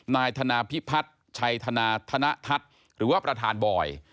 นายธนาพิพัฒน์ชัยธนาธนทัศน์หรือว่าประธานบอย